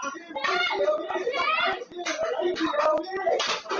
พี่ผมขอร้องนะพี่อย่านะก็ไม่หยุดครับ